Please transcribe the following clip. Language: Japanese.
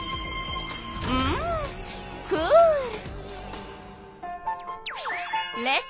うんクール！